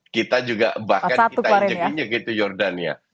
kita juga bahkan kita injek injek gitu jordan ya